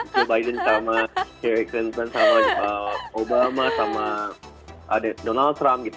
joe biden sama joe exxon sama obama sama donald trump gitu